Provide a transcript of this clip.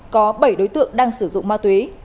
có bảy đối tượng đang sử dụng ma túy